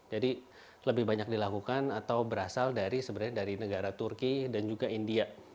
jadi lebih banyak dilakukan atau berasal dari sebenarnya dari negara turki dan juga india